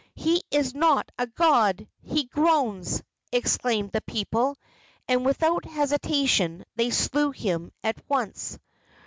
"He is not a god! he groans!" exclaimed the people, and without hesitation they slew him at once.